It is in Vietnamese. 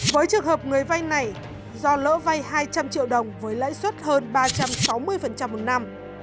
với trường hợp người vay này do lỗ vay hai trăm linh triệu đồng với lãi suất hơn ba trăm sáu mươi một năm